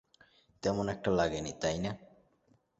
তেমন একটা লাগেনি, তাই না?